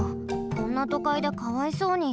こんなとかいでかわいそうに。